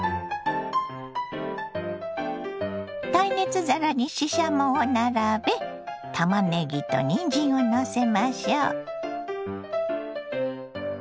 耐熱皿にししゃもを並べたまねぎとにんじんをのせましょう。